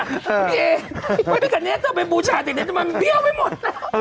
พี่เอพระพิการเนศเติบเป็นบูชาจริงทำไมมันเบี้ยวไปหมด